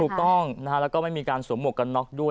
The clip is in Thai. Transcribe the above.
ถูกต้องนะฮะแล้วก็ไม่มีการสวมหมวกกันน็อกด้วย